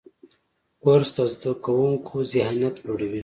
کورس د زده کوونکو ذهانت لوړوي.